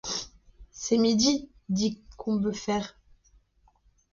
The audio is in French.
C'est midi, dit Combeferre.